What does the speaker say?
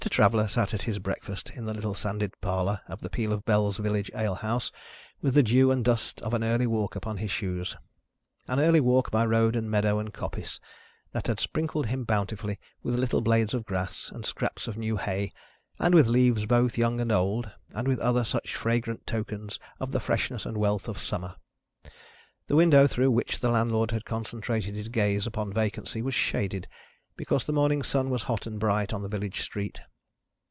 Traveller sat at his breakfast in the little sanded parlour of the Peal of Bells village alehouse, with the dew and dust of an early walk upon his shoes an early walk by road and meadow and coppice, that had sprinkled him bountifully with little blades of grass, and scraps of new hay, and with leaves both young and old, and with other such fragrant tokens of the freshness and wealth of summer. The window through which the landlord had concentrated his gaze upon vacancy was shaded, because the morning sun was hot and bright on the village street.